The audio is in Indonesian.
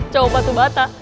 cowok batu bata